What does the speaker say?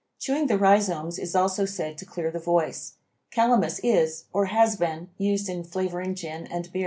Chewing the rhizomes is also said to clear the voice. Calamus is, or has been, used in flavoring beer and gin.